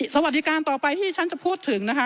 สวัสดีการต่อไปที่ฉันจะพูดถึงนะคะ